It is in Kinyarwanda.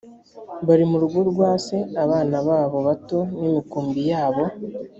bari mu rugo rwa se abana babo bato n’imikumbi yabo